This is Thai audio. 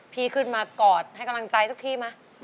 พี่ขึ้นมากอดให้กำลังใจสักทีไหม